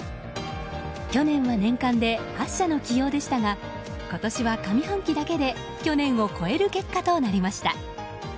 去年は年間で８社の起用でしたが今年は上半期だけで去年を超える結果となりました。